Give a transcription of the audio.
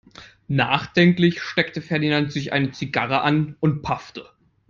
Nachdenklich steckte Ferdinand sich eine Zigarre an und paffte.